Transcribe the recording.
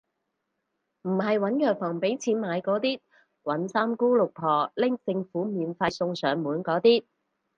唔係搵藥房畀錢買嗰啲，搵三姑六婆拎政府免費送上門嗰啲